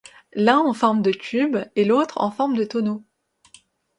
L'un en forme de cube et l'autre en forme de tonneau.